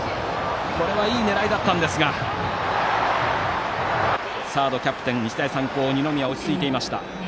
これはいい狙いだったんですがサード、日大三高のキャプテン二宮が落ち着いていました。